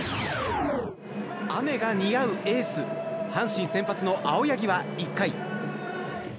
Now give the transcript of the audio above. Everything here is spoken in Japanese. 雨が似合うエース阪神先発の青柳は１回。